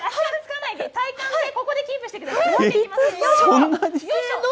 足つかないで、体幹でここで、キープしてください。